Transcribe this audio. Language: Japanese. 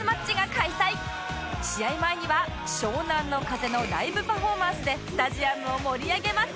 試合前には湘南乃風のライブパフォーマンスでスタジアムを盛り上げます